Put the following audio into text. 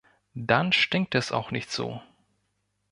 Dann stinkt es auch nicht so.